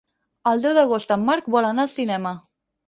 El deu d'agost en Marc vol anar al cinema.